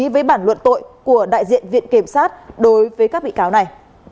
với bản luận tội của đại diện viện kiểm sát đối với các bị cáo này